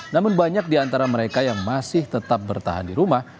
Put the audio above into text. namun banyak di antara mereka yang masih tetap bertahan di rumah